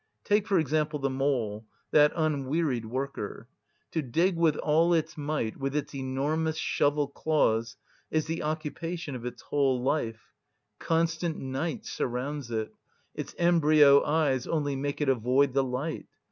Take, for example, the mole, that unwearied worker. To dig with all its might with its enormous shovel claws is the occupation of its whole life; constant night surrounds it; its embryo eyes only make it avoid the light.